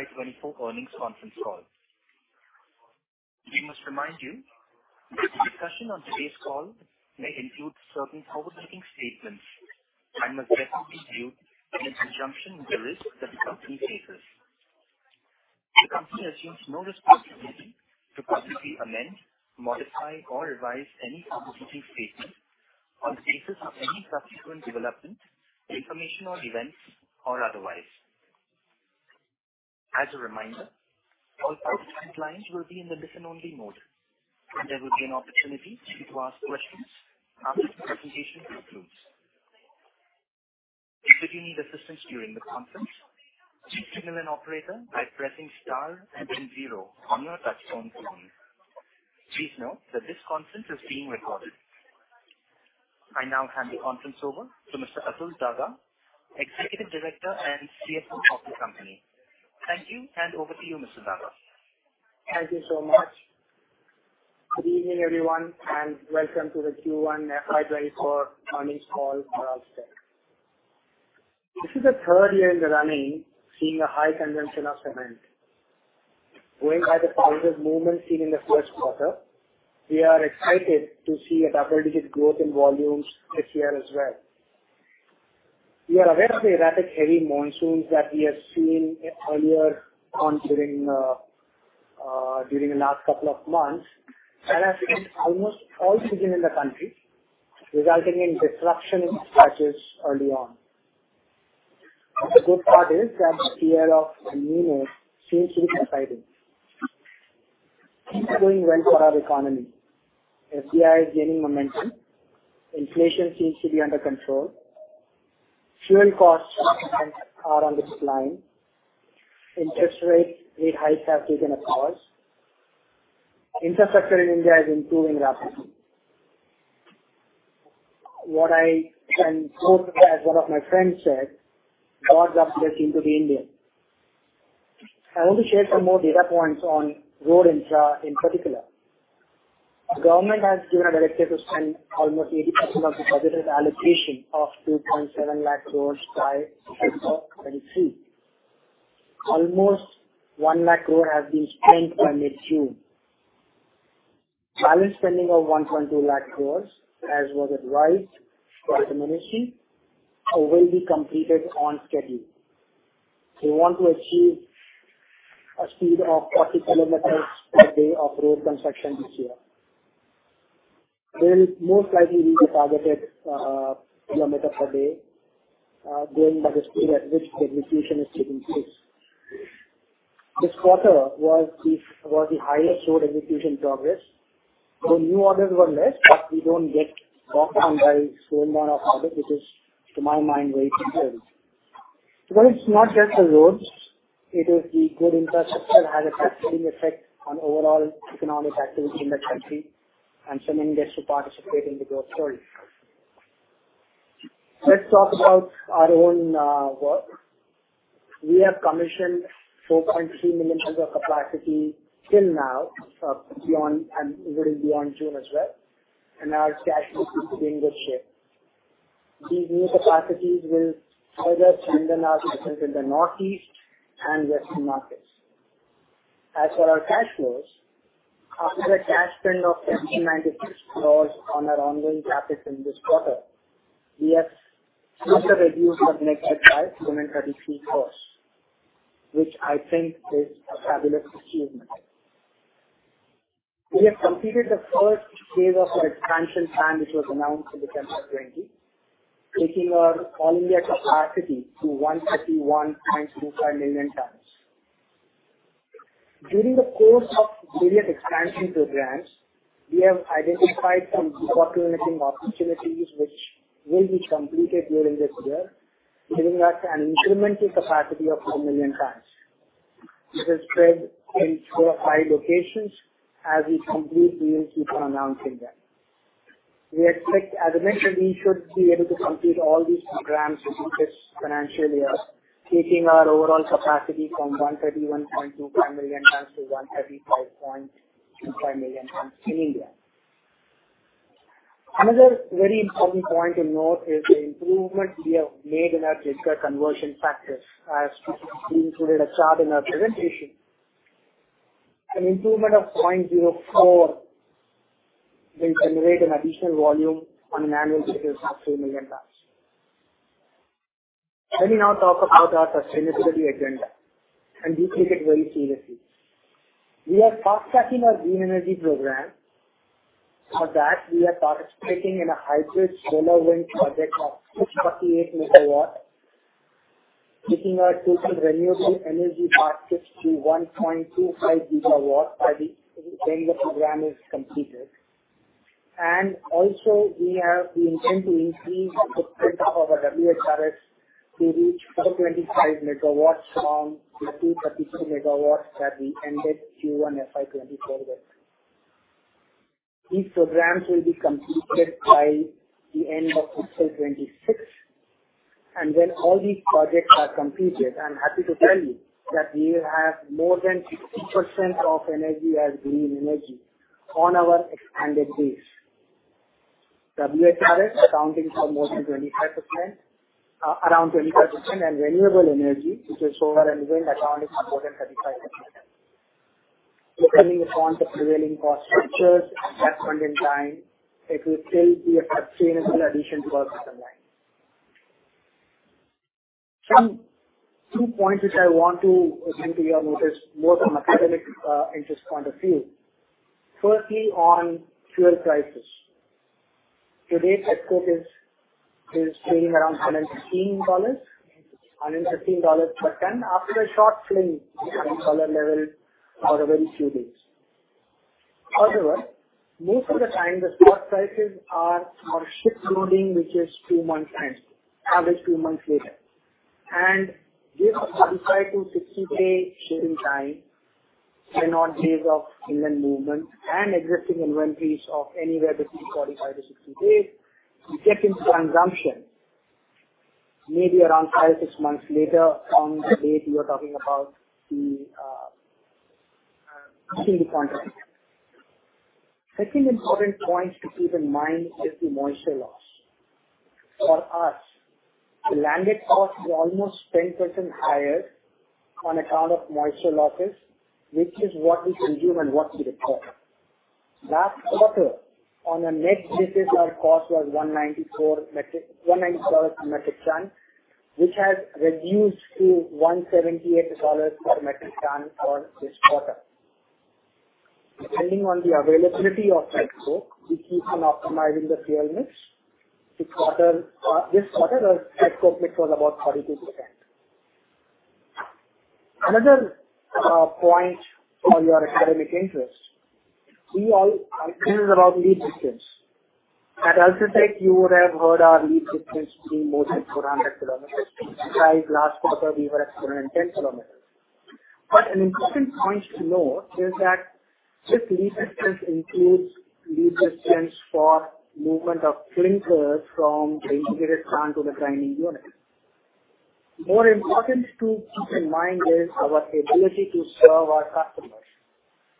FY24 earnings conference call. We must remind you, discussion on today's call may include certain forward-looking statements and must therefore be viewed in conjunction with the risks that the company faces. The company assumes no responsibility to publicly amend, modify, or revise any forward-looking statement on the basis of any subsequent development, information or events, or otherwise. As a reminder, all participants and clients will be in the listen-only mode, and there will be an opportunity to ask questions after the presentation concludes. If you need assistance during the conference, please signal an operator by pressing star and then zero on your touchtone phone. Please note that this conference is being recorded. I now hand the conference over to Mr. Atul Daga, Executive Director and CFO of the company. Thank you, and over to you, Mr. Daga. Thank you so much. Good evening, everyone, and welcome to the Q1 FY24 earnings call for UltraTech. This is the third year in the running, seeing a high consumption of cement. Going by the positive movement seen in the first quarter, we are excited to see a double-digit growth in volumes this year as well. We are aware of the erratic heavy monsoons that we have seen earlier on during the last couple of months and have hit almost all season in the country, resulting in disruption of patches early on. The good part is that this year of El Niño seems to be subsiding, going well for our economy. FDI is gaining momentum, inflation seems to be under control, fuel costs are on the decline, interest rates rate hikes have taken a course. Infrastructure in India is improving rapidly. What I can quote as one of my friends said, "Gods are blessing to the Indians." I want to share some more data points on road infra in particular. The government has given a directive to spend almost 80% of the budgeted allocation of 2.7 lakh crore by FY23. Almost 1 lakh crore has been spent by mid-June. Balance spending of 1.2 lakh crore, as was advised by the ministry, will be completed on schedule. We want to achieve a speed of 40 kilometers per day of road construction this year. There will most likely be a targeted kilometer per day going by the speed at which the execution is taking place. This quarter was the highest road execution progress. New orders were less, we don't get bogged down by slowdown of project, which is, to my mind, very concerned. It's not just the roads, it is the good infrastructure has a cascading effect on overall economic activity in the country, cement gets to participate in the growth story. Let's talk about our own work. We have commissioned 4.3 million tons of capacity till now, beyond and including beyond June as well, our cash flow is in good shape. These new capacities will further strengthen our presence in the Northeast and western markets. As for our cash flows, after the cash spend of 1,596 crores on our ongoing capital in this quarter, we have further reduced our net debt by INR 233 crores, which I think is a fabulous achievement. We have completed the first wave of our expansion plan, which was announced in December 20, taking our annual capacity to 131.25 million tons. During the course of various expansion programs, we have identified some debottlenecking opportunities which will be completed during this year, giving us an incremental capacity of 4 million tons. This is spread in 4 or 5 locations as we complete, we will keep on announcing them. We expect, as I mentioned, we should be able to complete all these programs within this financial year, taking our overall capacity from 131.25 million tons to 135.25 million tons in India. Another very important point to note is the improvement we have made in our clinker conversion factors, as we included a chart in our presentation. An improvement of 0.04 will generate an additional volume on an annual basis of 2 million tons. Let me now talk about our sustainability agenda, and we take it very seriously. We are fast-tracking our green energy program. For that, we are participating in a hybrid solar wind project of 638 megawatts, taking our total renewable energy targets to 1.25 gigawatts by the end the program is completed. Also, we have the intent to increase the print of our WHRS to reach another 25 megawatts from 1,532 megawatts that we ended Q1 FY24 with. These programs will be completed by the end of fiscal 2026. When all these projects are completed, I'm happy to tell you that we will have more than 60% of energy as green energy on our expanded base.... WHR accounting for more than 25%, around 25%, and renewable energy, which is solar and wind, accounting for more than 35%. Depending upon the prevailing cost structures at that point in time, it will still be a sustainable addition to our bottom line. Some two points which I want to bring to your notice, more from academic interest point of view. Firstly, on fuel prices. Today, petcoke is trading around $115 per ton after a short fling, $10 level for a very few days. Most of the time, the spot prices are for ship loading, which is 2 months time, average 2 months later. This 35-60 day shipping time are not days of inland movement and existing inventories of anywhere between 45-60 days, you get into consumption maybe around 5 or 6 months later on the date you are talking about seeing the contract. Second important point to keep in mind is the moisture loss. For us, the landed cost is almost 10% higher on account of moisture losses, which is what we consume and what we report. Last quarter, on a net basis, our cost was $194 per metric ton, which has reduced to $178 per metric ton for this quarter. Depending on the availability of petcoke, if you can optimize in the fuel mix, this quarter, this quarter our petcoke mix was about 42%. Another point for your academic interest, we all hear about lead distance. At UltraTech, you would have heard our lead distance to be more than 400 kilometers, whereas last quarter we were at 710 kilometers. An important point to note is that this lead distance includes lead distance for movement of clinker from the integrated plant to the grinding unit. More important to keep in mind is our ability to serve our customers.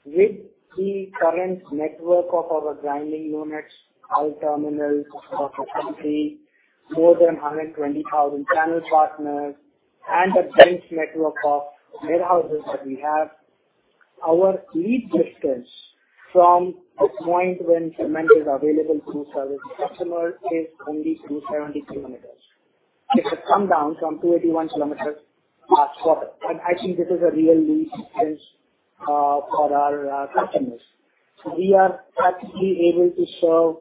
With the current network of our grinding units, our terminals across the country, more than 120,000 channel partners, and a dense network of warehouses that we have, our lead distance from the point when cement is available to serve the customer is only 270 kilometers. It has come down from 281 km last quarter, and I think this is a real lead distance for our customers. We are practically able to serve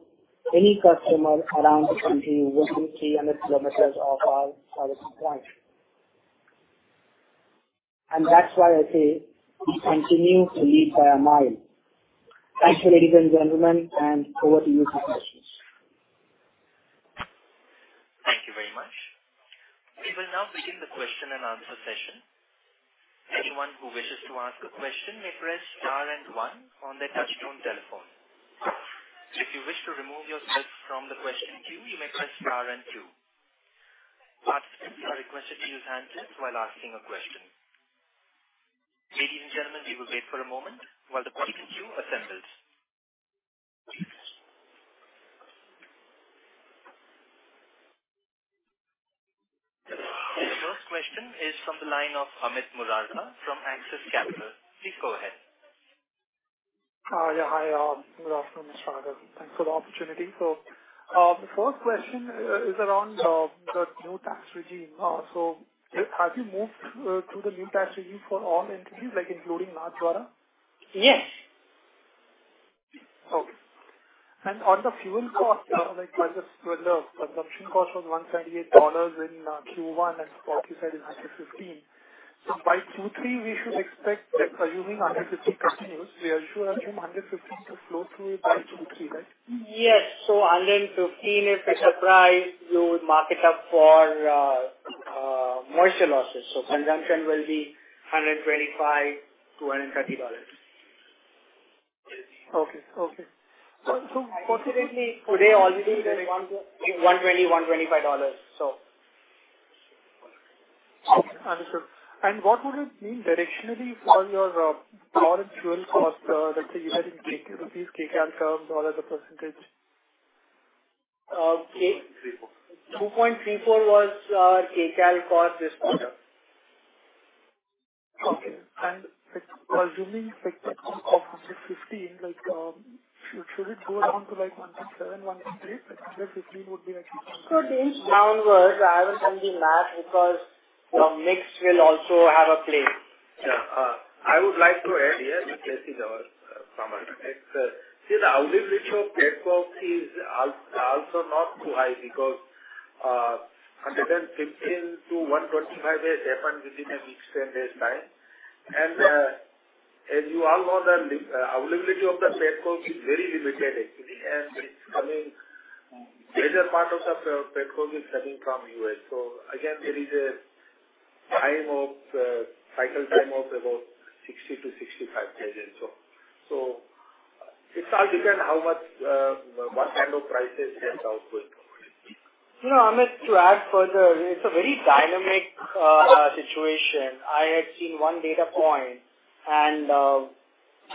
any customer around the country within 300 km of our service point. That's why I say we continue to lead by a mile. Thank you, ladies and gentlemen, and over to you for questions. Thank you very much. We will now begin the question and answer session. Anyone who wishes to ask a question may press star and one on their touchtone telephone. If you wish to remove yourself from the question queue, you may press star and two. Participants are requested to use handsets while asking a question. Ladies and gentlemen, we will wait for a moment while the question queue assembles. The first question is from the line of Amit Murarka from Axis Capital. Please go ahead. Yeah. Hi, good afternoon, Mr. Daga. Thanks for the opportunity. The first question is around the new tax regime. Have you moved to the new tax regime for all entities, like including Nathdwara? Yes. Okay. On the fuel cost, like by the consumption cost was $128 in Q1, and what you said is $115. By Q3, we should expect, like assuming $115 continues, we are sure assume $115 to flow through by Q3, right? Yes. $115 is the price you would mark it up for moisture losses. Consumption will be $125-$130. Okay. Okay. fortunately, today already- One twenty, one twenty-five dollars, so. Understood. What would it mean directionally for your current fuel cost, let's say, you had in Q2, these kCal curves or as a percentage? 2.34 was our kcal cost this quarter. Okay. Assuming like that of $115, like, should it go down to, like, $107, $108? Downwards, I haven't done the math because the mix will also have a play. I would like to add here, this is our comment. It's, see the availability of petcoke is also not too high because $115-$125 per ton, they happen within an extended time. As you all know, the availability of the petcoke is very limited actually, and it's coming, larger part of the petcoke is coming from US. Again, there is a time of cycle time of about 60-65 days or so. It's all depend how much what kind of prices comes out with. No, I'm just to add further, it's a very dynamic situation. I had seen one data point,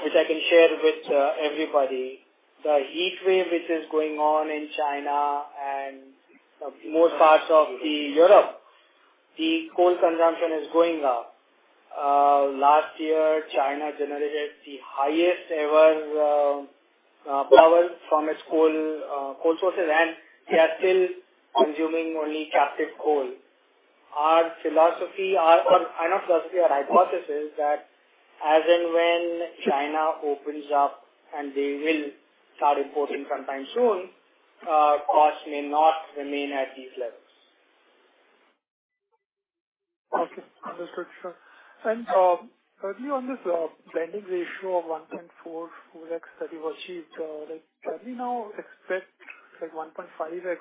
which I can share with everybody. The heat wave, which is going on in China and most parts of Europe, the coal consumption is going up. Last year, China generated the highest ever power from its coal sources. They are still consuming only captive coal. Our philosophy, our hypothesis is that as and when China opens up, they will start importing sometime soon, cost may not remain at these levels. Okay, understood, sure. Currently on this blending ratio of 1.44x that you achieved, can we now expect like 1.5x,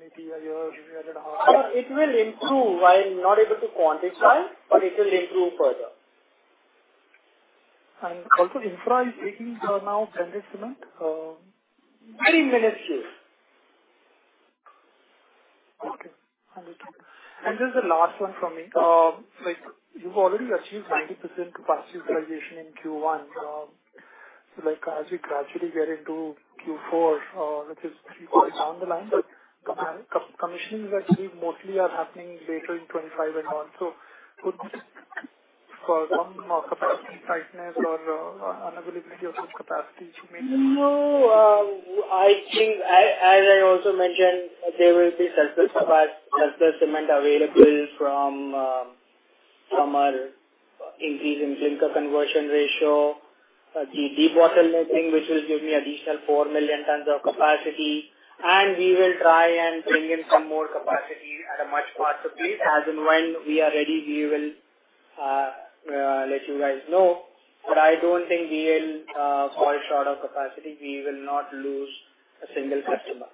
maybe a year and a half? It will improve. I'm not able to quantify, but it will improve further. Also Infra is taking now blended cement. Very minuscule. Okay, understood. This is the last one from me. Like, you've already achieved 90% capacity utilization in Q1. Like as you gradually get into Q4, which is down the line, but commissionings achieved mostly are happening later in 2025 and on. Could for some capacity tightness or unavailability of some capacity you mean? No, I think, as I also mentioned, there will be surplus cement available from our increase in clinker conversion ratio, the debottlenecking, which will give me additional 4 million tons of capacity, and we will try and bring in some more capacity at a much faster pace. As and when we are ready, we will let you guys know. I don't think we will fall short of capacity. We will not lose a single customer.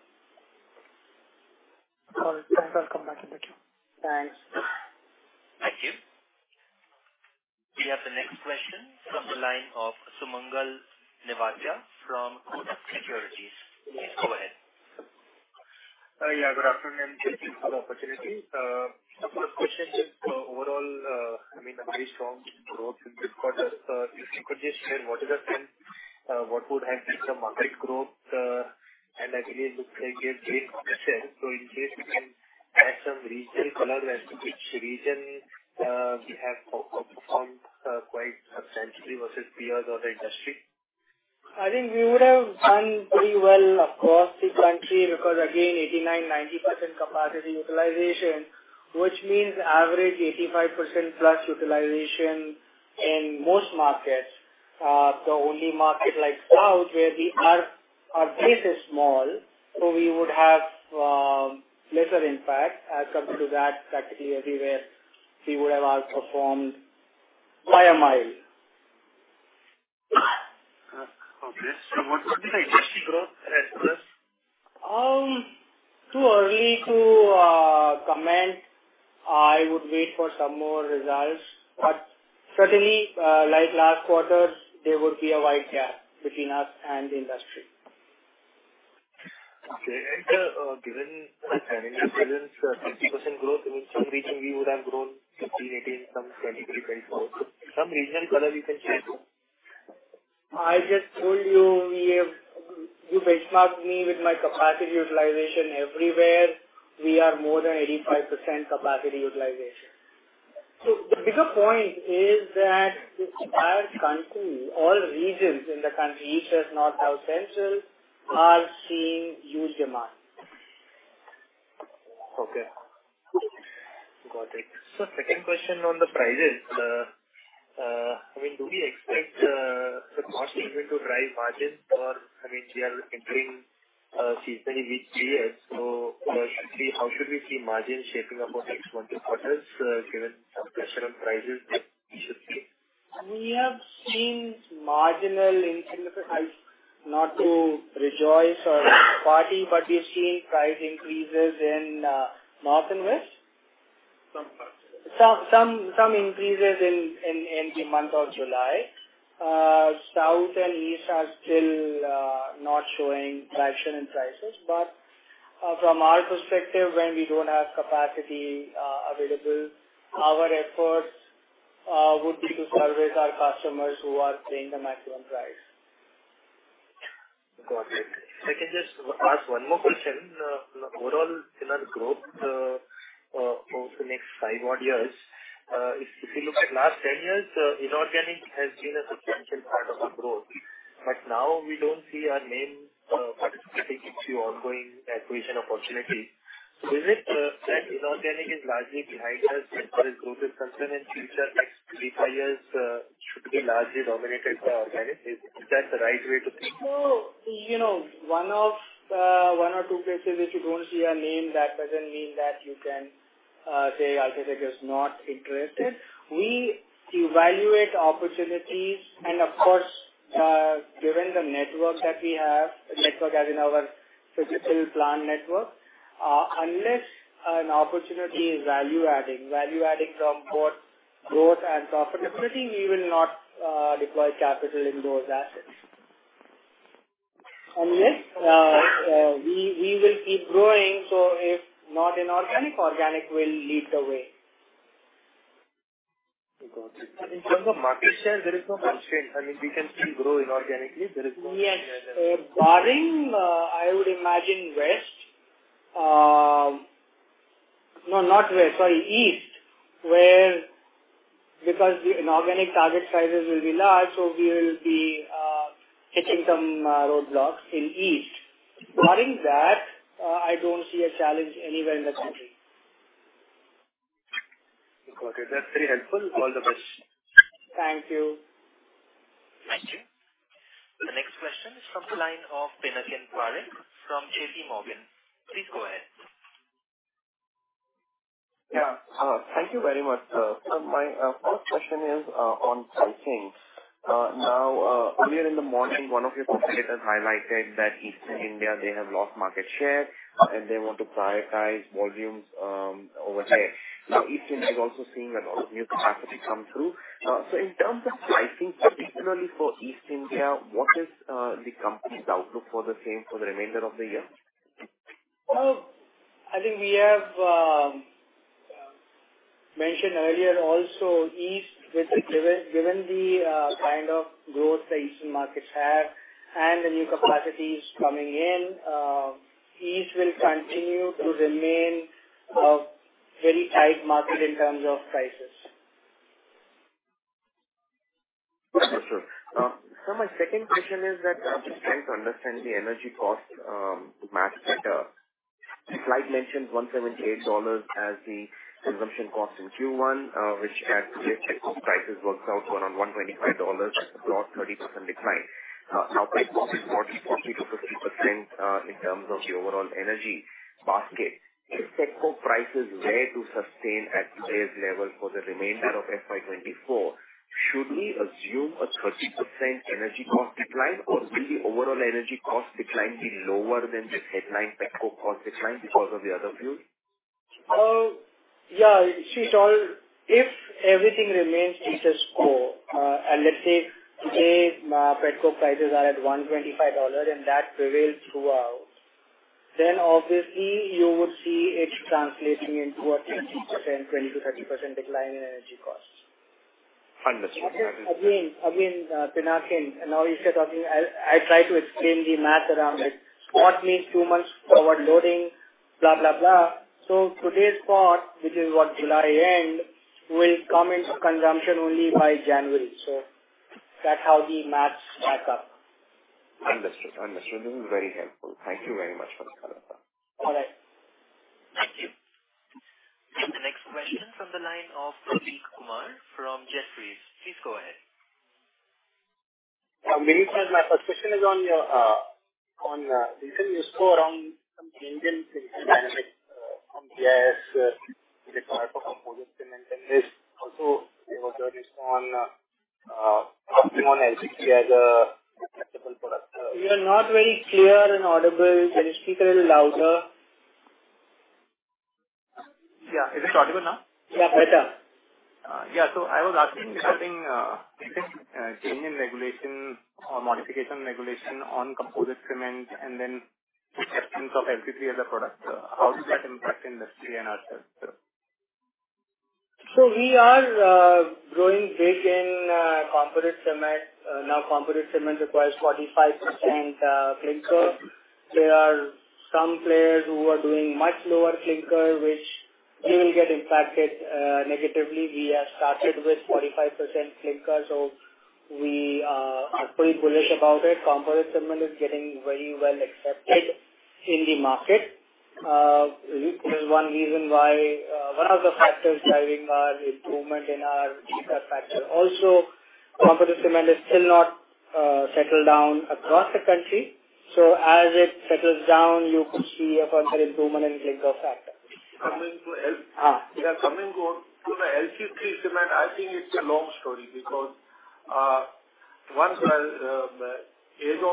All right. Thanks. I'll come back to you. Thanks. Thank you. We have the next question from the line of Sumangal Nevatia from Kotak Securities. Please go ahead. Yeah, good afternoon. Thank you for the opportunity. My first question is overall, I mean, a very strong growth in this quarter. If you could just share, what is the trend, what would have been the market growth, and actually it looks like a gain share. In case you can add some regional color as to which region, we have performed quite substantially versus peers or the industry. I think we would have done pretty well across the country, because, again, 89%, 90% capacity utilization, which means average 85% plus utilization in most markets. The only market like South, where we are, our base is small, so we would have lesser impact. Aside to that, practically everywhere, we would have outperformed by a mile. Okay. What would be the industry growth at plus? Too early to comment. I would wait for some more results, but certainly, like last quarter, there would be a wide gap between us and the industry. Okay, given current year's 50% growth, in some region we would have grown 15%, 18%, some 20%, 24%. Some regional color you can share? I just told you. You benchmark me with my capacity utilization everywhere. We are more than 85% capacity utilization. The bigger point is that the entire country, all regions in the country, east, south, north, south, central, are seeing huge demand. Okay. Got it. Second question on the prices. I mean, do we expect the cost even to drive margins or, I mean, we are entering a seasonally weak period, how should we see margins shaping up for next month quarters, given some pressure on prices should be? We have seen marginal increase in the price, not to rejoice or party, but we've seen price increases in north and west? Some parts. Some increases in the month of July. South and east are still not showing traction in prices. From our perspective, when we don't have capacity available, our efforts would be to service our customers who are paying the maximum price. Got it. If I can just ask one more question, overall cement growth for the next 5 odd years. If we look at last 10 years, inorganic has been a substantial part of the growth, now we don't see our name participating in the ongoing acquisition opportunities. Is it, that inorganic is largely behind us, our growth is concerned in future, next 3, 5 years, should be largely dominated by organic? Is that the right way to think? No, you know, one of one or two places, if you don't see a name, that doesn't mean that you can say UltraTech is not interested. We evaluate opportunities, and of course, given the network that we have, network as in our physical plan network, unless an opportunity is value-adding, value-adding from both growth and profitability, we will not deploy capital in those assets. Yes, we will keep growing, so if not inorganic, organic will lead the way. In terms of market share, there is no constraint, and if we can still grow inorganically, there is no- Yes. Barring, I would imagine west, no, not west, sorry, east, where because the inorganic target sizes will be large, we will be hitting some roadblocks in east. Barring that, I don't see a challenge anywhere in the country. Got it. That's very helpful. All the best. Thank you. Thank you. The next question is from the line of Pinakin Parekh from JPMorgan. Please go ahead. Yeah. Thank you very much, sir. My first question is on pricing. Now, earlier in the morning, one of your competitors highlighted that Eastern India, they have lost market share, and they want to prioritize volumes over there. East India is also seeing a lot of new capacity come through. In terms of pricing, particularly for East India, what is the company's outlook for the same for the remainder of the year? I think we have mentioned earlier also, East, with the kind of growth the eastern markets had and the new capacities coming in, East will continue to remain a very tight market in terms of prices. Understood. My second question is that I'm just trying to understand the energy cost math better? Slide mentions $178 as the consumption cost in Q1, which at petcoke prices works out to around $125, a lot 30% decline. Now petcoke is 40%-50% in terms of the overall energy basket. If petcoke prices were to sustain at today's level for the remainder of FY24, should we assume a 30% energy cost decline, or will the overall energy cost decline be lower than the headline petcoke cost decline because of the other fuels? Yeah, she saw if everything remains status quo, and let's say today's petcoke prices are at $125 and that prevails throughout, then obviously you would see it translating into a 30%, 20%-30% decline in energy costs. Understood. Again, Pinakin, now instead of me, I try to explain the math around it. Spot means two months forward loading, blah, blah. Today's spot, which is what July end, will come into consumption only by January. That's how the math stack up. Understood. Understood. This is very helpful. Thank you very much for the clarity. All right. Thank you. The next question from the line of Prateek Kumar from Jefferies. Please go ahead. Good evening. My first question is on your, on recent news flow around some change in dynamics, from gas, composite, and then there's also your journey on LC3 as a acceptable product. You are not very clear and audible. Can you speak a little louder? Yeah. Is it audible now? Yeah, better. Yeah. I was asking regarding recent change in regulation or modification regulation on Composite Cement and then acceptance of LC3 as a product. How does that impact industry and ourselves, sir? we are growing big in composite cement. Now, composite cement requires 45% clinker. There are some players who are doing much lower clinker, which they will get impacted negatively. We have started with 45% clinker, we are pretty bullish about it. Composite cement is getting very well accepted in the market. This is one reason why one of the factors driving our improvement in our clinker factor. Also, composite cement is still not settled down across the country. As it settles down, you could see a further improvement in clinker factor. Coming to, Yeah, coming to the LC3 cement, I think it's a long story because one as of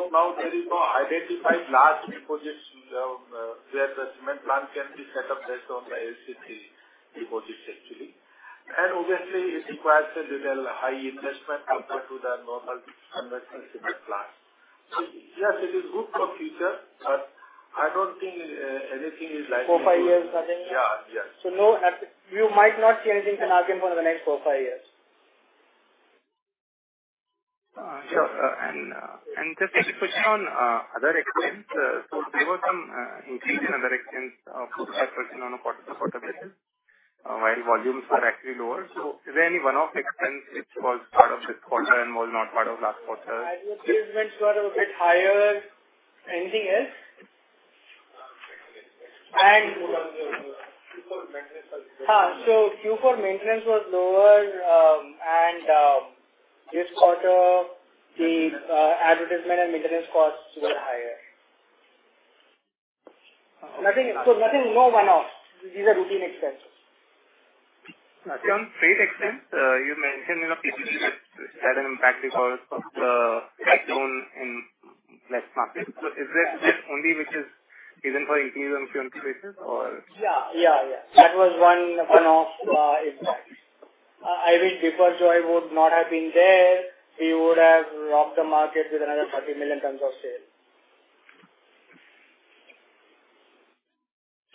now, there is no identified large deposits where the cement plant can be set up based on the LC3 deposits, actually. Obviously, it requires a little high investment compared to the normal conventional cement plant. Yes, it is good for future, but I don't think anything is likely- Four, five years, I think? Yeah. Yes. No, you might not see anything for the next four, five years. Sure. Just a quick question on other expense. There were some increase in other expense on a quarter-to-quarter basis, while volumes were actually lower. Is there any one-off expense which was part of this quarter and was not part of last quarter? Advertisements were a bit higher. Anything else? Maintenance. And- Q4 maintenance Q4 maintenance was lower, and this quarter, the advertisement and maintenance costs were higher. Nothing, so nothing, no one-off. These are routine expenses. On trade expense, you mentioned, you know, had an impact because of the cyclone in west market. Is this just only which is even for QSM current basis or? Yeah. Yeah, yeah. That was one-off impact. I think before Joy would not have been there, we would have rocked the market with another 30 million tons of sales.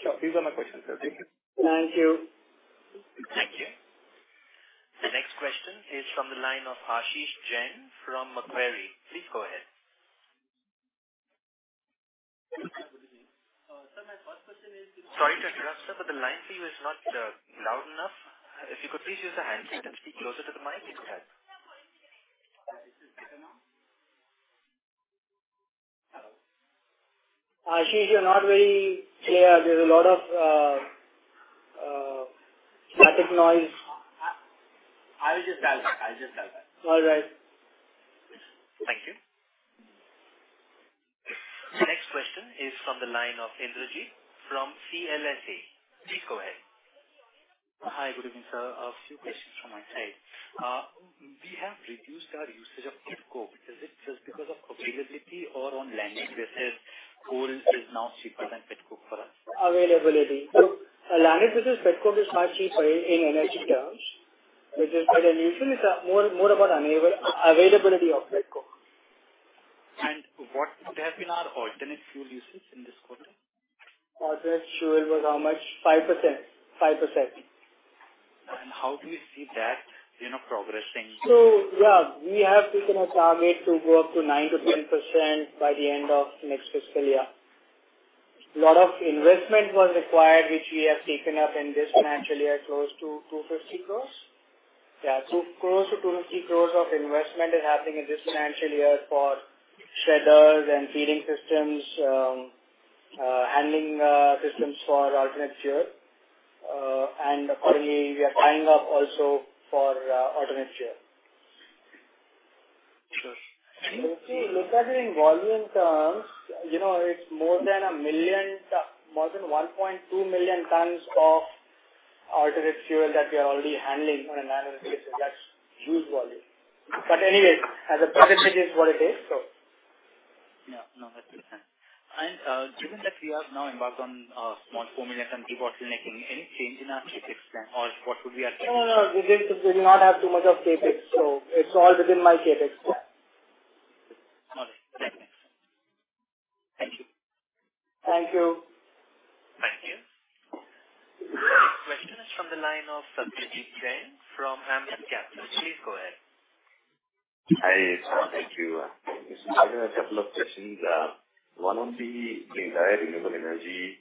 Sure. These are my questions, sir. Thank you. Thank you. Thank you. The next question is from the line of Ashish Jain from Macquarie. Please go ahead. Sir, my first question is. Sorry to interrupt, sir, but the line for you is not loud enough. If you could please use the handset, closer to the mic, it would help. Ashish, you're not very clear. There's a lot of static noise. I'll just dial back. All right. Thank you. The next question is from the line of Indrajit from CLSA. Please go ahead. Hi. Good evening, sir. A few questions from my side. We have reduced our usage of pet coke. Is it just because of availability or on landing they said coal is now cheaper than pet coke for us? Availability. Look, a landed versus petcoke is much cheaper in energy terms, which is, usually it's more about availability of petcoke. What would have been our alternate fuel usage in this quarter? Alternate fuel was how much? 5%. 5%. How do you see that, you know, progressing? Yeah, we have taken a target to go up to 9%-10% by the end of next fiscal year. A lot of investment was required, which we have taken up in this financial year, close to 250 crores. Yeah, close to 250 crores of investment is happening in this financial year for shredders and feeding systems, handling systems for alternate fuel. Accordingly, we are tying up also for alternate fuel. Sure. If we look at it in volume terms, you know, More than 1.2 million tons of alternate fuel that we are already handling on an annual basis. That's huge volume. Anyway, as a percentage, it's what it is. Yeah, no, that's okay. Given that we have now embarked on small 4 million ton debottlenecking, any change in our CapEx plan or what would we are expecting? No, no, we did not have too much of CapEx, so it's all within my CapEx plan. All right. Thanks. Thank you. Thank you. Thank you. The next question is from the line of Satyadeep Jain from Ambit Private. Please go ahead. Hi, sir. Thank you. Just a couple of questions. One on the entire renewable energy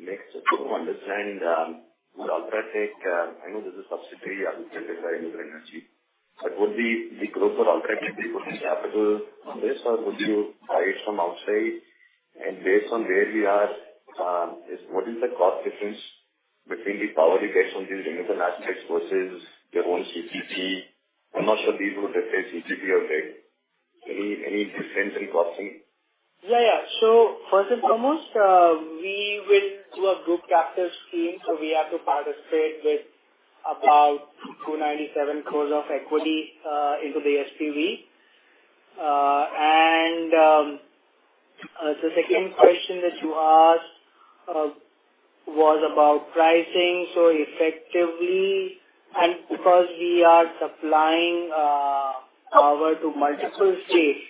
mix to understand, would UltraTech, I know this is a subsidiary of renewable energy, but would the growth of UltraTech be putting capital on this, or would you buy it from outside? Based on where we are, is what is the cost difference between the power you get from these renewable assets versus your own CPP? I'm not sure these would affect CPP or any difference in costing. Yeah. First and foremost, we will do a group capital scheme, so we have to participate with about 297 crore of equity into the SPV. And the second question that you asked was about pricing. Effectively, and because we are supplying power to multiple states,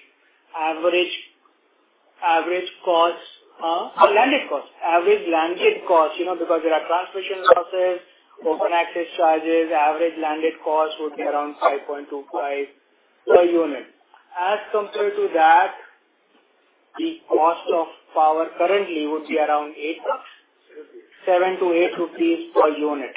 average landed cost, you know, because there are transmission losses, open access charges, average landed cost would be around 5.25 per unit. As compared to that, the cost of power currently would be around 7-8 rupees per unit.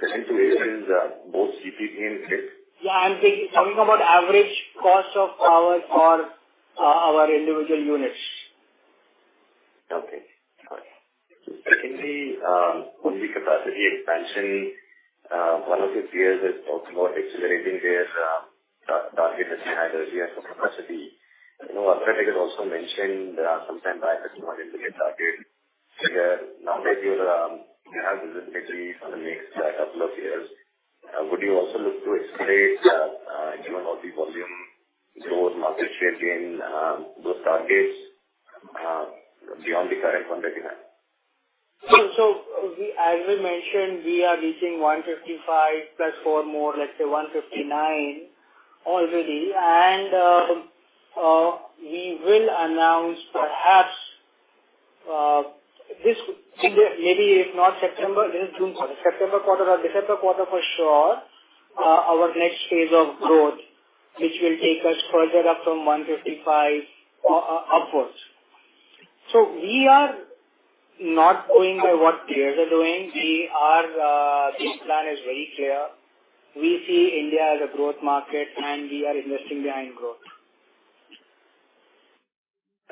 Today is, both CPP in it? Yeah, I'm talking about average cost of power for our individual units. Okay. Got it. In the capacity expansion, one of the peers has talked about accelerating their target that they had earlier for capacity. You know, UltraTech has also mentioned there are some time targets wanted to get started. Nowadays, you're, you have this basically for the next couple of years. Would you also look to accelerate, given all the volume growth, market share gain, those targets, beyond the current one that you have? As we mentioned, we are reaching 155 plus 4 more, let's say 159 already. We will announce perhaps this, maybe if not September, then June, September Quarter or December Quarter for sure, our next phase of growth, which will take us further up from 155 upwards. We are not going by what peers are doing. We are, this plan is very clear. We see India as a growth market, and we are investing behind growth.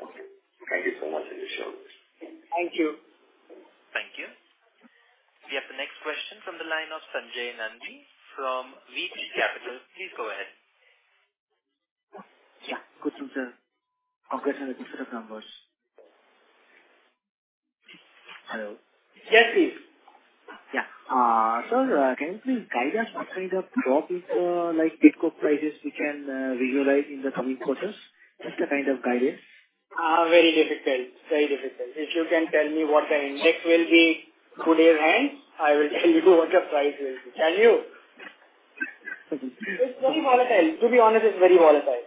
Okay. Thank you so much. Sure. Thank you. Thank you. We have the next question from the line of Sanjay Nandi from VC Capital. Please go ahead. Yeah. Good evening, sir. I've got a set of numbers. Hello? Yes, please. Yeah, sir, can you please guide us what kind of drop in like petcoke prices we can visualize in the coming quarters? Just a kind of guidance. Very difficult. Very difficult. If you can tell me what the index will be 2 days ahead, I will tell you what the price will be. Can you? It's very volatile. To be honest, it's very volatile.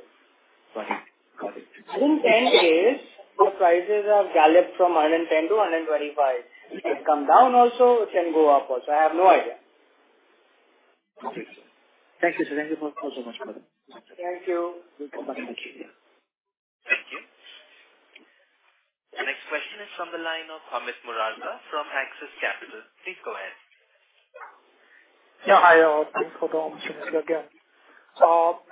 Got it. Got it. In 10 days, the prices have galloped from 110-125. It can come down also, it can go up also. I have no idea. Okay. Thank you, sir. Thank you for so much. Thank you. Thank you very much. Thank you. The next question is from the line of Amit Murarka from Axis Capital. Please go ahead. Yeah, hi, thanks for the opportunity again.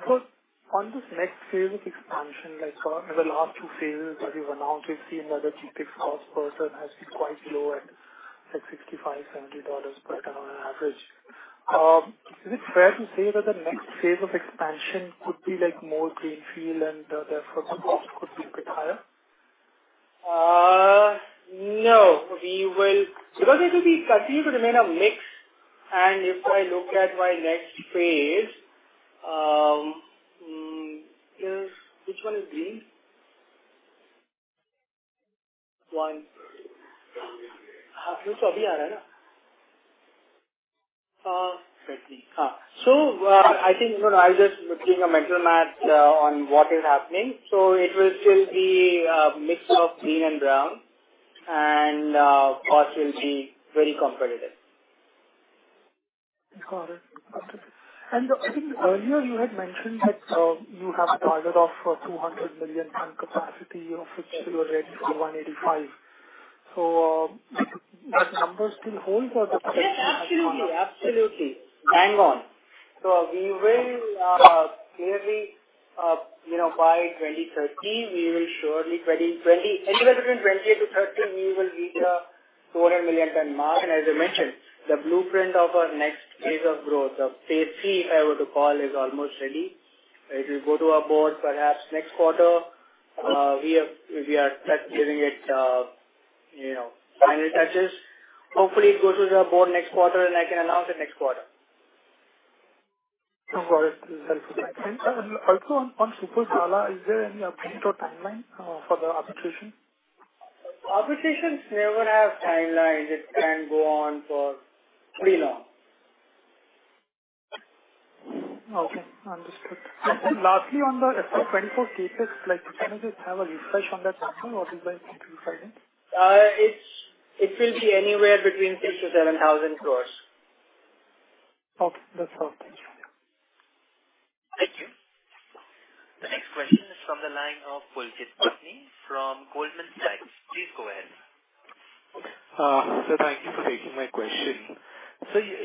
First on this next phase of expansion, like, in the last two phases that you've announced, we've seen that the CapEx cost per ton has been quite low at $65-$70 per ton on average. Is it fair to say that the next phase of expansion could be, like, more greenfield and, therefore, the cost could be a bit higher? No, it will be continue to remain a mix. If I look at my next phase, which one is green? One. I think, you know, I'll just doing a mental math on what is happening. It will still be a mix of green and brown. Cost will be very competitive. Got it. Okay. I think earlier you had mentioned that, you have a target of 200 million ton capacity, of which you are at 185. That number still holds or? Yes, absolutely. Absolutely. Hang on. We will, clearly, you know, by 2030, we will surely anywhere between 20 to 30, we will reach a 200 million ton mark. As I mentioned, the blueprint of our next phase of growth, of phase three, if I were to call, is almost ready. It will go to our board perhaps next quarter. We are just giving it, you know, final touches. Hopefully, it goes to the board next quarter, and I can announce it next quarter. No worries. That's it. Thank you. Also, on Super Sala, is there any update or timeline for the arbitration? Arbitrations never have timelines. It can go on for pretty long. Okay, understood. Lastly, on the FY24 CapEx, like, can you just have a refresh on that number or you'd like to provide it? it will be anywhere between 6,000 crore-7,000 crore. Okay, that's all. Thank you. Thank you. The next question is from the line of Pulkit Patni from Goldman Sachs. Please go ahead. Thank you for taking my question.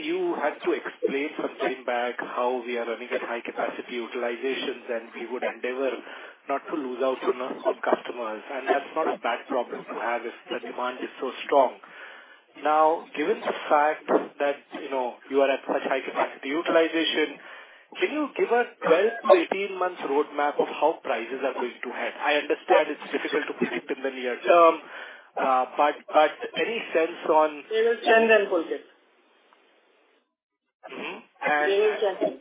You had to explain some time back how we are running at high capacity utilizations, and we would endeavor not to lose out on customers, and that's not a bad problem to have if the demand is so strong. Now, given the fact that, you know, you are at such high capacity utilization, can you give us 12-18 months roadmap of how prices are going to head? I understand it's difficult to predict in the near term, but any sense on. It will change then, Pulkit. Mm-hmm. It will change.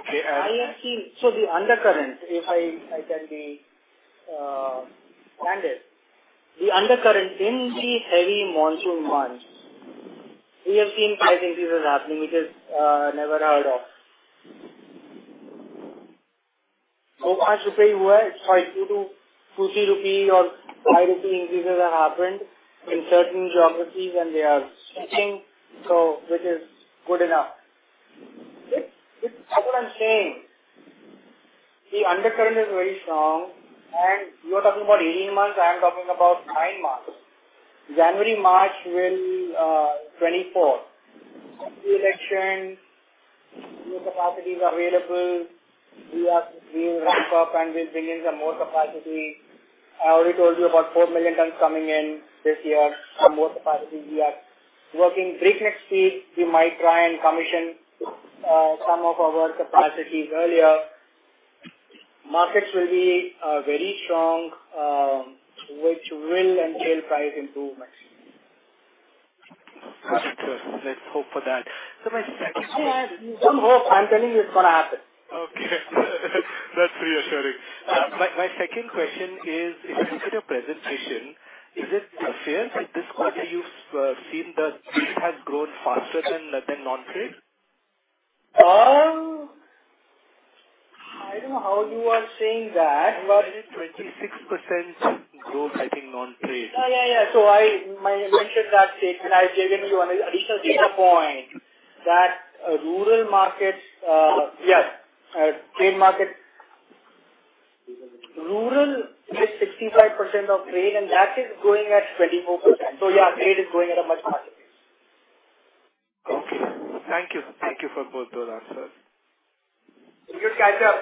Okay. I have seen... the undercurrent, if I can be candid, the undercurrent in the heavy monsoon months, we have seen price increases happening, which is never heard of. I should say where it's like 2-200 rupees or 5 rupees increases have happened in certain geographies, and they are sticking, so which is good enough. It's, it's all I'm saying. The undercurrent is very strong, and you are talking about 18 months, I am talking about 9 months. January, March will 2024. The election, new capacities available, we are, we will ramp up, and we'll bring in some more capacity. I already told you about 4 million tons coming in this year. For more capacity, we are working breakneck speed. We might try and commission some of our capacities earlier. Markets will be very strong, which will entail price improvements. Got it. Let's hope for that. My second question. Don't hope. I'm telling you, it's gonna happen. Okay. That's reassuring. My second question is, if you look at your presentation, is it fair to say this quarter you've seen that this has grown faster than non-trade? I don't know how you are saying that. I think 26% growth, I think, non-trade. Yeah, yeah. I mentioned that statement, and I've given you an additional data point, that rural markets. Yes, trade market, rural is 65% of trade, and that is growing at 24%. Yeah, trade is growing at a much faster pace. Okay. Thank you. Thank you for both those answers. You're sky sir.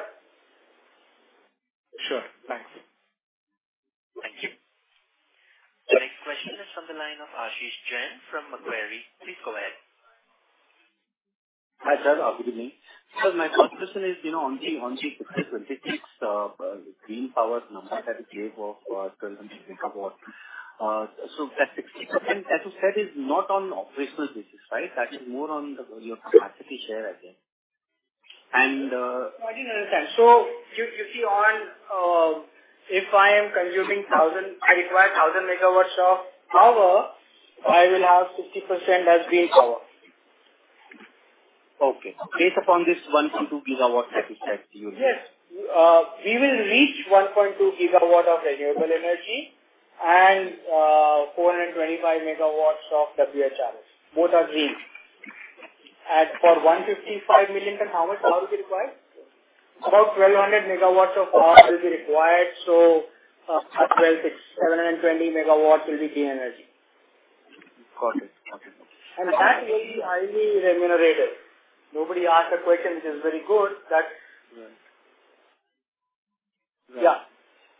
Sure. Thanks. Thank you. The next question is from the line of Ashish Jain from Macquarie. Please go ahead. Hi, sir. Good evening. My first question is, you know, on the FY26 green power number that you gave of 12 gigawatt. As you said, is not on operational basis, right? That is more on the, your capacity share, I think. I didn't understand. You see, if I am consuming 1,000, I require 1,000 megawatts of power, I will have 60% as green power. Okay. Based upon this 1.2 GW satisfied you? Yes. We will reach 1.2 gigawatt of renewable energy and 425 megawatts of WHRS. Both are green. For 155 million tons, how much power will be required? About 1,200 megawatts of power will be required, so 720 megawatts will be green energy. Got it. Got it. That will be highly remunerated. Nobody asked a question, which is very good, that- Right. Yeah.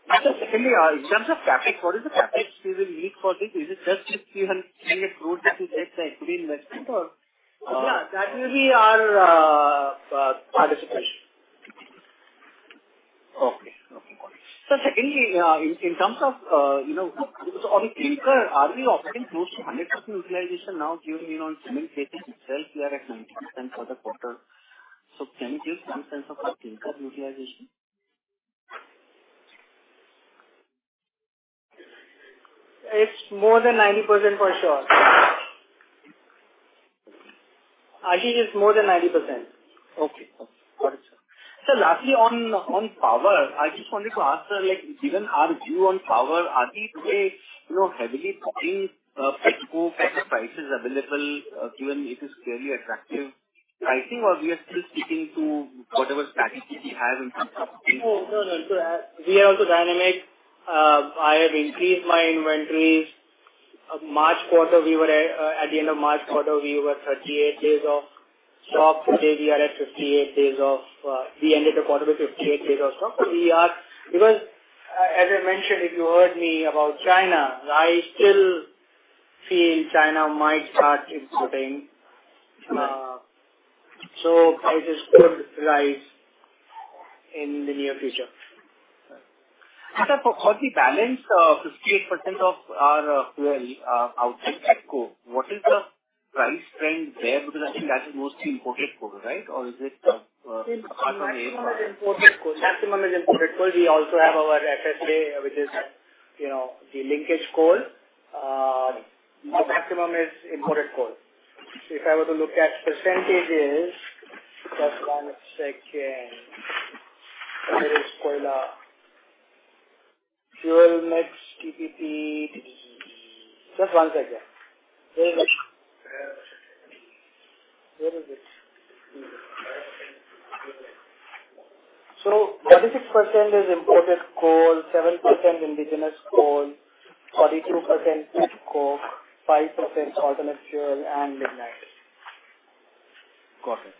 Can we, in terms of CapEx, what is the CapEx you will need for this? Is it just INR 61 million growth that you get the green method or? Yeah, that will be our participation. Okay. Okay, got it. Secondly, in terms of, you know, on clinker, are we operating close to 100% utilization now, given, you know, on cement itself, we are at 90% for the quarter? Can you give some sense of our clinker utilization? It's more than 90% for sure. I think it's more than 90%. Okay. Got it, sir. Lastly, on power, I just wanted to ask, sir, like, given our view on power, are we today, you know, heavily buying, petro prices available, given it is fairly attractive pricing, or we are still sticking to whatever strategy we have in place? No, no. We are also dynamic. I have increased my inventories. March quarter, we were at the end of March quarter, we were 38 days of stock. Today, we are at 58 days of, we ended the quarter with 58 days of stock. As I mentioned, if you heard me about China, I still feel China might start importing. Right. Prices could rise in the near future. Sir, for the balance, 58% of our fuel outlet at Coke, what is the price trend there? Because I think that is mostly imported coal, right? Or is it? Maximum is imported coal. Maximum is imported coal. We also have our FSA, which is, you know, the linkage coal. The maximum is imported coal. If I were to look at percentages, just one second. Where is koila? Fuel, mix, TPP. Just one second. Where is it? 36% is imported coal, 7% indigenous coal, 42% pet coke, 5% alternate fuel, and lignite. Got it.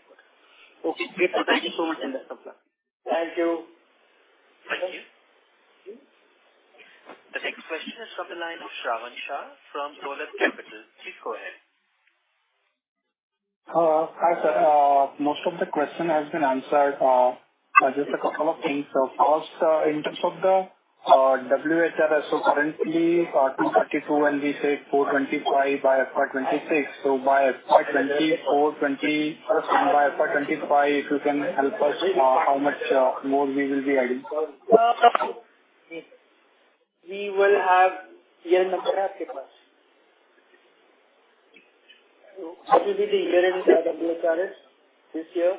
Okay, great. Thank you so much. Thank you. Thank you. The next question is from the line of Shravan Shah from Dolat Capital. Please go ahead. Hi, sir. Most of the question has been answered. Just a couple of things. First, in terms of the WHRS, currently, 232, and we say 425 by FY26. By FY24, by FY25, if you can help us, how much more we will be adding? Yes, sir. What will be the year end of WHRS, this year?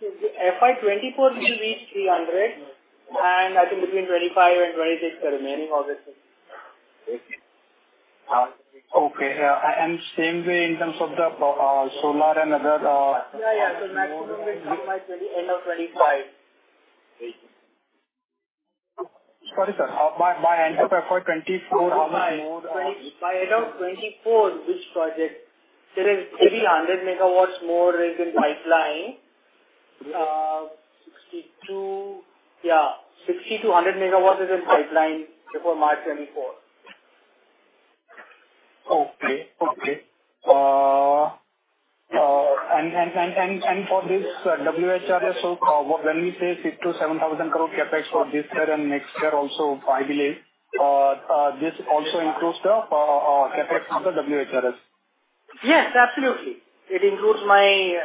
FY24, we will reach 300, and I think between 25 and 26, the remaining obviously. Okay. Same way in terms of the solar and other. Yeah, yeah. Maximum will come by end of 2025. Sorry, sir. By end of FY24, how much more. By end of 2024, which project? There is maybe 100 megawatts more is in pipeline. 60 to 100 megawatts is in pipeline before March 2024. Okay. Okay. For this WHRS, when we say 6,000 crore-7,000 crore CapEx for this year and next year also, I believe, this also includes the CapEx of the WHRS? Yes, absolutely. It includes my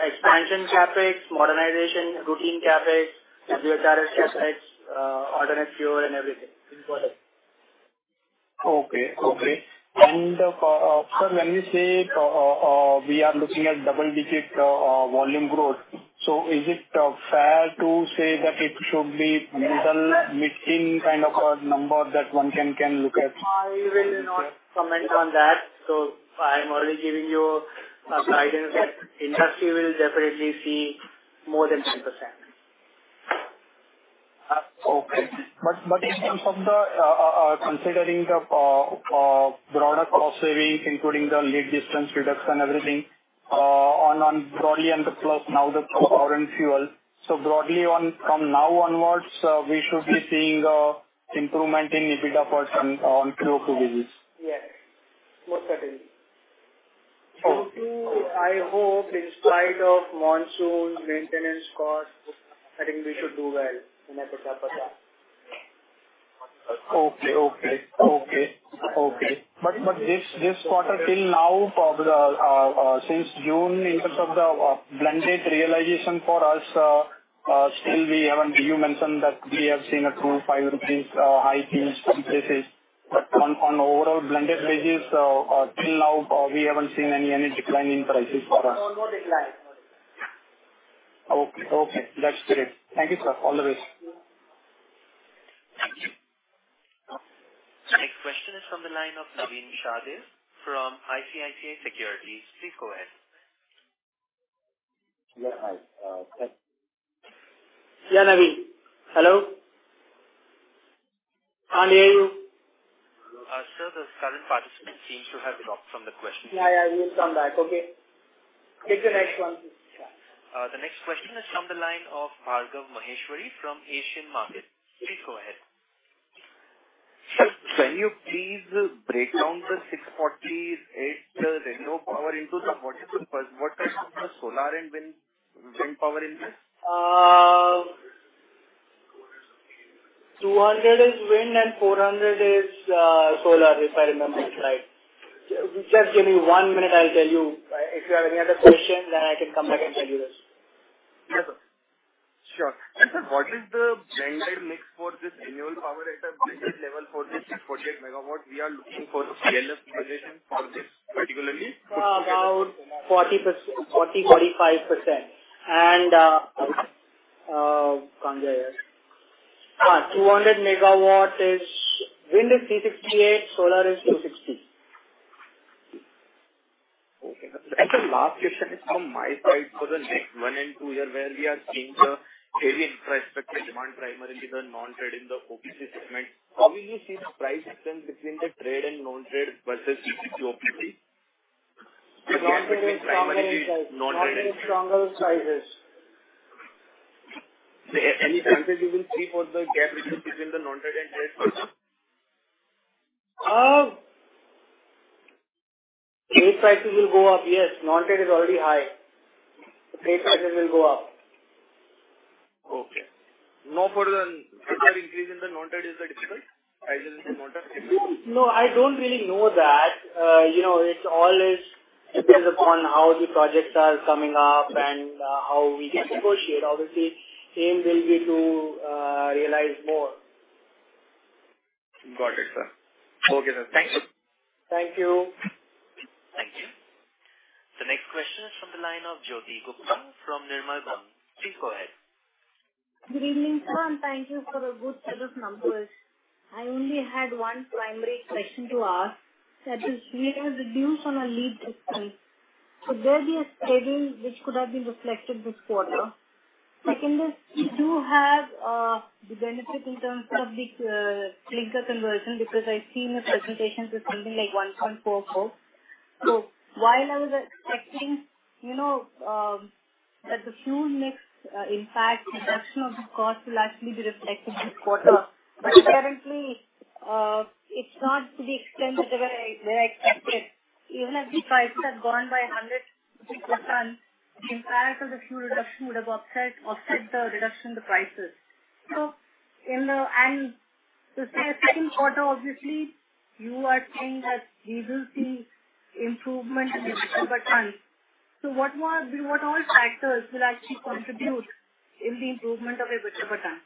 expansion CapEx, modernization, routine CapEx, WHRS CapEx, alternate fuel and everything. Okay, okay. Sir, when you say, we are looking at double-digit volume growth, is it fair to say that it should be middle, mid-teen kind of a number that one can look at? I will not comment on that, so I'm only giving you a guidance that industry will definitely see more than 10%. Okay. But in terms of the broader cost savings, including the lead distance reduction, everything, on broadly and the plus now the foreign fuel. Broadly, from now onwards, we should be seeing an improvement in EBITDA first on two businesses. Yes. Most certainly. Okay. I hope in spite of monsoon maintenance cost, I think we should do well in EBITDA. Okay. This quarter till now, for the since June, in terms of the blended realization for us, still we haven't. You mentioned that we have seen a INR 2, 5 rupees high fees from places, but on overall blended basis, till now, we haven't seen any decline in prices for us. No, no decline. Okay, that's great. Thank you, sir. All the best. Next question is from the line of Navin Sahadeo, from ICICI Securities. Please go ahead. Yeah, hi, Yeah, Naveen. Hello? Are you there? Sir, the current participant seems to have dropped from the question. Yeah, yeah, he'll come back. Okay. Take the next one. The next question is from the line of Raghav Maheshwari from Asian Markets Securities. Please go ahead. Sir, can you please break down the 648, the renewable power into the what is the solar and wind power in this? 200 is wind and 400 is solar, if I remember right. Just give me 1 minute, I'll tell you. If you have any other questions, then I can come back and tell you this. Yes, sir. Sure. Sir, what is the blended mix for this annual power item, blended level for this 6.8 MW? We are looking for CLF utilization for this, particularly. About 40%, 40%, 45%. come there. 200 megawatt is. Wind is 368, solar is 260. Okay. The last question is from my side. For the next 1 and 2 year, where we are seeing the very infrastructure demand, primarily the non-trade in the OPC segment, how will you see the price difference between the trade and non-trade versus PCC, OPC? Primarily non-trade and trade. Non-trade is stronger in prices. Any prices you will see for the gap between the non-trade and trade? Trade prices will go up. Yes, non-trade is already high. The trade prices will go up. Okay. No further increase in the non-trade is the typical? I will say non-trade. No, I don't really know that. You know, it's always depends upon how the projects are coming up and how we negotiate. Obviously, aim will be to realize more. Got it, sir. Okay, sir. Thank you. Thank you. Thank you. The next question is from the line of Jyoti Gupta from Nirmal Bang. Please go ahead. Good evening, sir, and thank you for the good set of numbers. I only had one primary question to ask, that is, we have reduced on our lead distance. Would there be a schedule which could have been reflected this quarter? Second is, you do have the benefit in terms of the clinker conversion, because I've seen the presentations is something like 1.44. While I was expecting, you know, that the few next impact, reduction of the cost will actually be reflected this quarter. Currently, it's not to the extent that they expected. Even if the prices have gone by 100%, the impact of the fuel reduction would have offset the reduction in the prices. The second quarter, obviously, you are saying that we will see improvement in the return. What more, what all factors will actually contribute in the improvement of a return?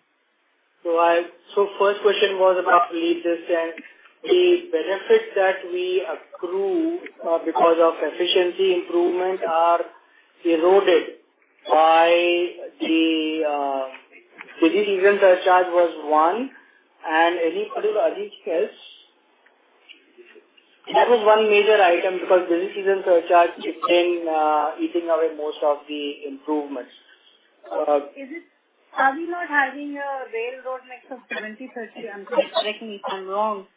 First question was about lead distance. The benefits that we accrue because of efficiency improvement are eroded by the busy season surcharge was one, and any particular Adil case? That was one major item, because busy season surcharge has been eating away most of the improvements. Is it, are we not having a railroad next of 70, 30? I'm correct me if I'm wrong.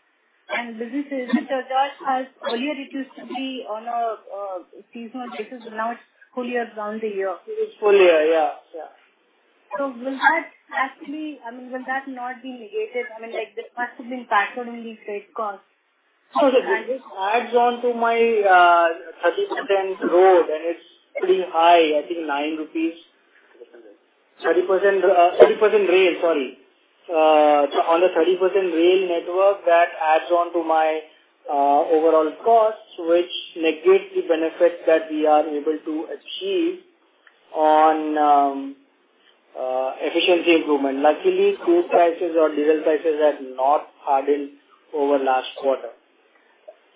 Busy season surcharge has, earlier it used to be on a, seasonal basis, but now it's full year around the year. It is full year, yeah. Will that actually, I mean, will that not be negated? I mean, like, this must have been factored in the trade cost. It adds on to my 30% road, and it's pretty high, I think 9 rupees. 30%, 30% rail, sorry. On a 30% rail network, that adds on to my overall costs, which negates the benefits that we are able to achieve on efficiency improvement. Luckily, fuel prices or diesel prices have not hardened over last quarter.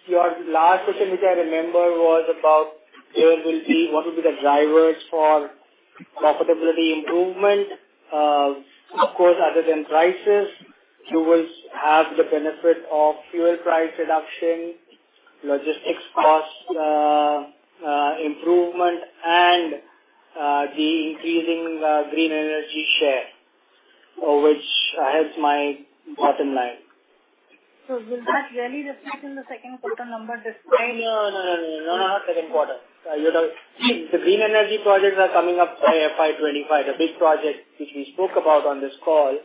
Your last question, which I remember, was about what will be the drivers for profitability improvement. Of course, other than prices, you will have the benefit of fuel price reduction, logistics cost improvement, and the increasing green energy share, which helps my bottom line. Will that really reflect in the second quarter number this time? No, no, no, not second quarter. The green energy projects are coming up by 25. The big project which we spoke about on this call,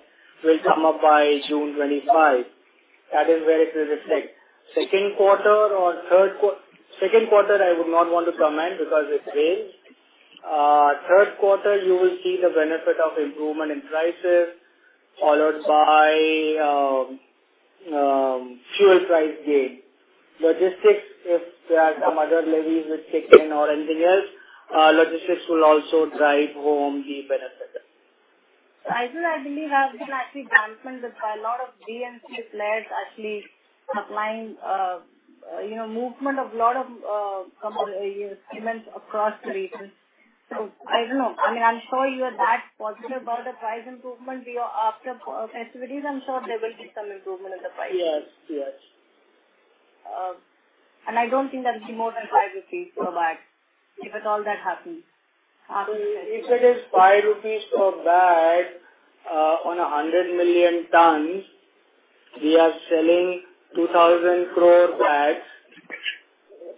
will come up by June 25. That is where it will reflect. Second quarter or third quarter. Second quarter, I would not want to comment because it's rail. Third quarter, you will see the benefit of improvement in prices, followed by fuel price gain. Logistics, if there are some other levies which kick in or anything else, logistics will also drive home the benefit. I do, I believe I've been actually balancing with a lot of DNC players actually supplying, you know, movement of a lot of cement across the region. I don't know. I mean, I'm sure you are that positive about the price improvement. We are after festivities, I'm sure there will be some improvement in the price. Yes, yes. I don't think that's more than 5 rupees per bag, if at all that happens. If it is 5 rupees per bag, on 100 million tons, we are selling 2,000 crore bags.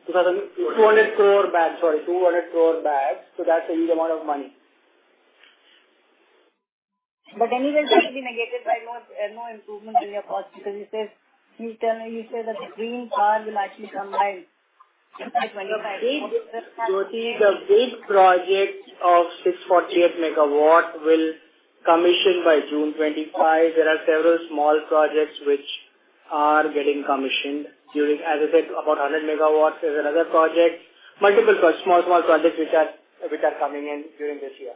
200 crore bags, sorry, 200 crore bags. That's a huge amount of money. It will be negated by more improvement in your cost, because you said that the green power will actually come by. The big project of 648 megawatt will commission by June 25. There are several small projects which are getting commissioned. As I said, about 100 megawatts is another project. Multiple small projects which are coming in during this year.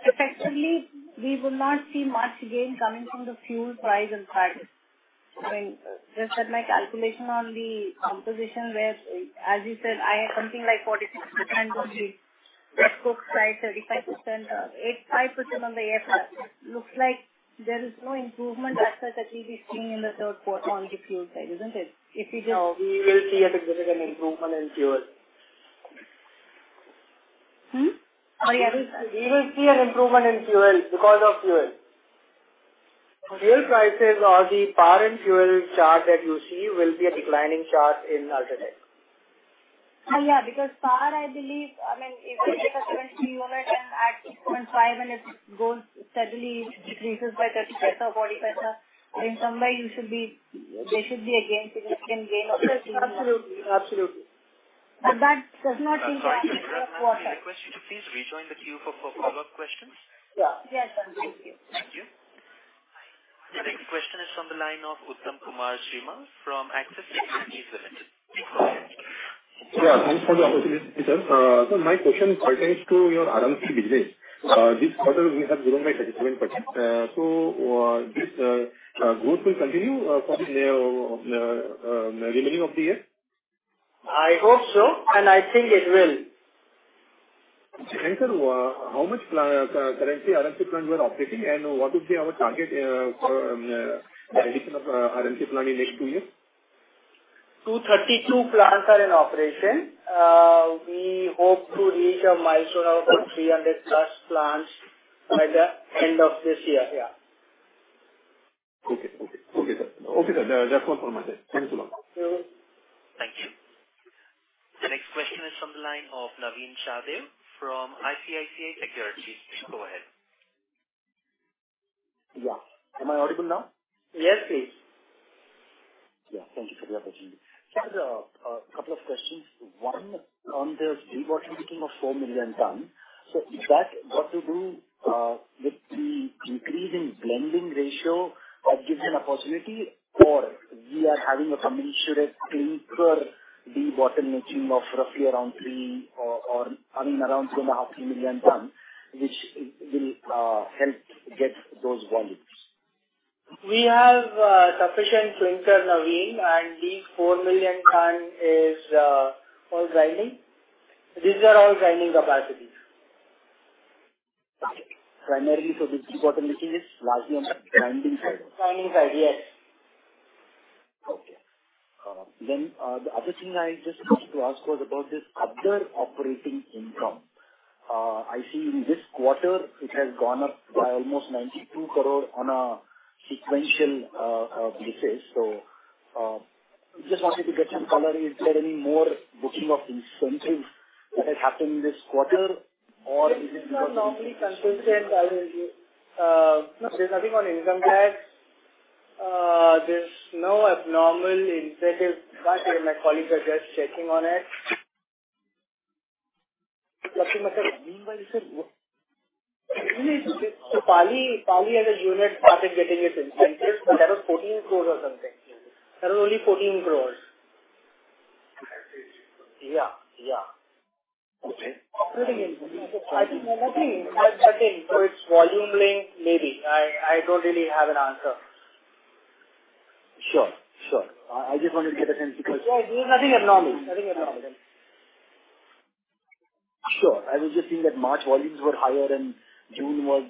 Effectively, we will not see much gain coming from the fuel price impact. I mean, just like my calculation on the composition, where, as you said, I have something like 46% on the coking side, 35%, 85% on the air side. Looks like there is no improvement as such that we'll be seeing in the third quarter on the fuel side, isn't it? If you just. No, we will see a significant improvement in fuel. Hmm? Oh, yeah. We will see an improvement in fuel because of fuel. Okay. Fuel prices or the power and fuel chart that you see will be a declining chart in UltraTech. Yeah, because power, I believe, I mean, if it is a 20 unit and at 0.5, and it goes steadily, increases by 30 peso or 40 peso, in some way you should be, there should be a gain, significant gain of the team. Yes, absolutely. Absolutely. That does not seem.... Could I ask you to please rejoin the queue for follow-up questions? Yeah. Yes, thank you. Thank you. The next question is on the line of Uttam Kumar Srimal from Axis Securities. Yeah, thanks for the opportunity, sir. My question pertains to your RMC business. This quarter we have grown by 37%. This growth will continue for the remaining of the year? I hope so, and I think it will. Sir, how much currently RMC plants were operating, and what would be our target for addition of RMC plant in next two years? 232 plants are in operation. We hope to reach a milestone of about 300 plus plants by the end of this year. Yeah. Okay. Okay. Okay, sir. Okay, sir. That's all for my end. Thanks a lot. Mm-hmm. Thank you. The next question is from the line of Navin Sahadeo from ICICI Securities. Please go ahead. Yeah. Am I audible now? Yes, please. Yeah, thank you for the opportunity. Sir, a couple of questions. One, on the debottlenecking of 4 million tons. Is that got to do with the increase in blending ratio or gives you an opportunity, or we are having a committed clinker debottlenecking of roughly around 3 or, I mean, around 2.5, 3 million tons, which will help get those volumes? We have sufficient clinker, Naveen, and the 4 million ton is all grinding. These are all grinding capacities. Okay. Primarily, the dewatering machine is largely on the grinding side? Grinding side, yes. The other thing I just wanted to ask was about this other operating income. I see in this quarter, it has gone up by almost 92 crore on a sequential, basis. Just wanted to get some color. Is there any more booking of incentives that has happened this quarter or is it? These are normally consistent. There's nothing on income tax. There's no abnormal incentive, but my colleagues are just checking on it. Okay, meanwhile, you said what? Pali as a unit, started getting its incentives, but that was 14 crores or something. That was only 14 crores. Yeah. Yeah. Okay. I think nothing. Again, so it's volume link, maybe. I don't really have an answer. Sure, sure. I just wanted to get a sense because- Yeah, there's nothing abnormal. Nothing abnormal. Sure. I was just seeing that March volumes were higher and June was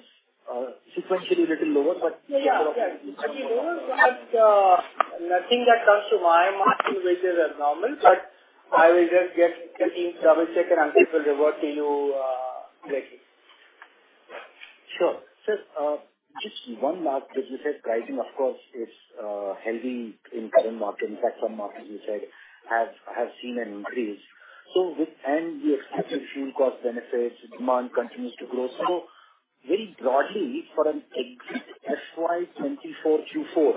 sequentially a little lower, but. Yeah, yeah. Actually lower, but, nothing that comes to my mind, which is abnormal, but I will just get the team double-check, and I will get back to you later. Sure. Sir, just one last thing you said, pricing, of course, is healthy in current market. In fact, some markets you said have seen an increase. After fuel cost benefits, demand continues to grow. Very broadly, for an exit FY24 Q4,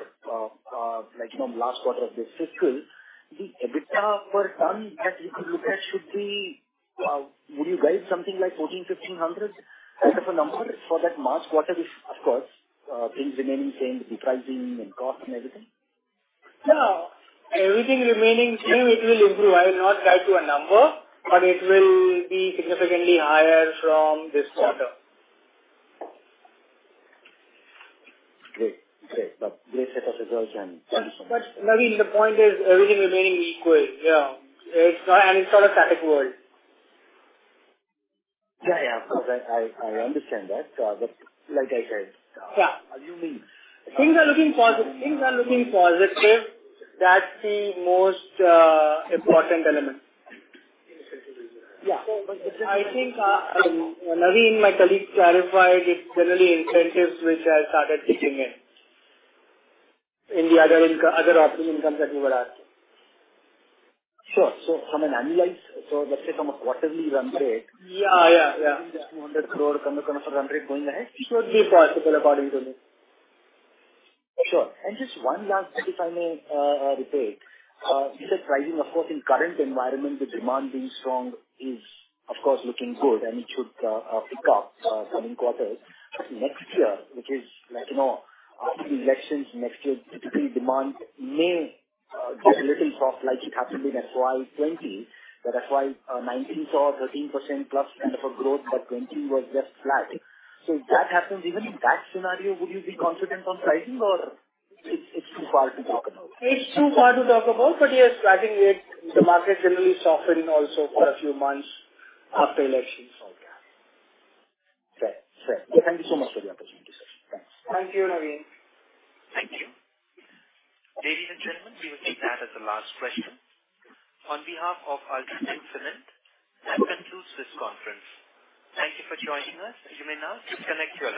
last quarter of this fiscal, the EBITDA per ton that we could look at should be, would you guide something like 1,400-1,500 kind of a number for that March quarter? If, of course, things remaining same, the pricing and cost and everything. Yeah, everything remaining same, it will improve. I will not guide to a number, but it will be significantly higher from this quarter. Great. Great. Please set us a goal. Naveen, the point is everything remaining equal. Yeah, it's not, and it's not a static world. Yeah, of course, I understand that. Like I said. Yeah. Assuming- Things are looking positive. Things are looking positive. That's the most important element. Yeah. I think Naveen, my colleague, clarified it's generally incentives which have started kicking in the other operating incomes that you were asking. Sure. From an annualize, so let's say from a quarterly run rate. Yeah, yeah. INR 100 crore kind of a run rate going ahead. It should be possible apart from it. Sure. Just one last bit, if I may, repeat. In the pricing, of course, in current environment, the demand being strong is of course, looking good, and it should pick up coming quarters. Next year, which is like, you know, after the elections next year, typically demand may get a little soft like it happened in FY20. The FY19 saw 13%+ kind of a growth, but 20 was just flat. If that happens, even in that scenario, would you be confident on pricing or it's too far to talk about? It's too far to talk about, but yes, I think it, the market generally softening also for a few months after elections. Yeah. Fair. Thank you so much for the opportunity, sir. Thanks. Thank you, Naveen. Thank you. Ladies and gentlemen, we will take that as the last question. On behalf of UltraTech Cement, I conclude this conference. Thank you for joining us. You may now disconnect your lines.